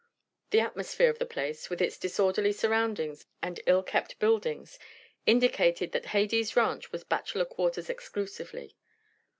The atmosphere of the place, with its disorderly surroundings and ill kept buildings, indicated that Hades Ranch was bachelor quarters exclusively.